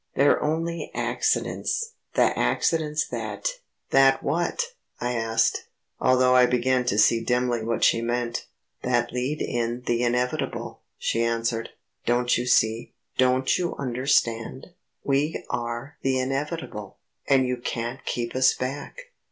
They're only accidents; the accidents that " "That what?" I asked, although I began to see dimly what she meant. "That lead in the inevitable," she answered. "Don't you see? Don't you understand? We are the inevitable ... and you can't keep us back.